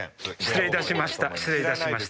失礼いたしました。